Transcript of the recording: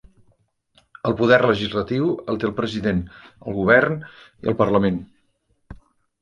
El poder legislatiu el té el president, el govern i el parlament.